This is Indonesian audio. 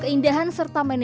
keindahan serta medianya